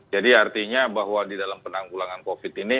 jadi artinya bahwa di dalam penanggulangan covid ini